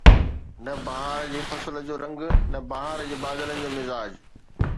نه بهار جي فصل جو رنگ، نه بهار جي بادلن جو مزاج